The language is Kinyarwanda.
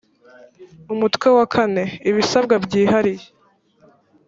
umutwe wa iv ibisabwa byihariye